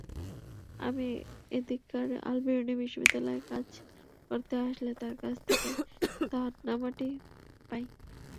আমি এদিককার আলবিরুনি বিশ্ববিদ্যালয়ে কাজ করতে আসলে তাঁর কাছ থেকে দাওয়াতনামাটি পাই।